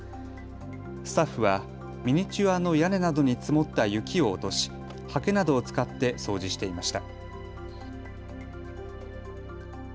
スタッフはミニチュアの屋根などに積もった雪を落としはけなどを使って掃除していました。